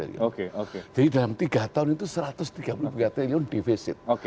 jadi dalam tiga tahun itu satu ratus tiga puluh tiga triliun defisit